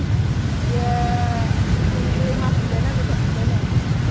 ya lima enam tahun